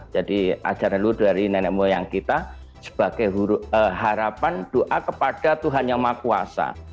jadi ajaran luhur dari nenek moyang kita sebagai harapan doa kepada tuhan yang maha kuasa